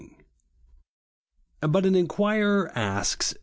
13. But an inquirer asks.